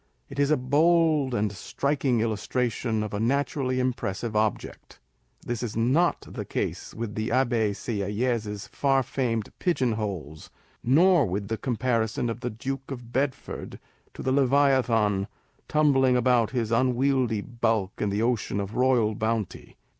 It is a bold and striking illustration of a naturally impressive object. This is not the case with the Abbo Sieyes's far famed " pigeon holes," nor with the comparison of the Duke of Bedford to " the Leviathan, tumbling about his unwieldy bulk in the ocean of royal bounty."